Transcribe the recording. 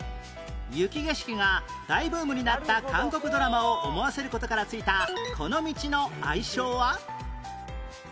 雪景色が大ブームになった韓国ドラマを思わせる事からついたこの道の愛称は？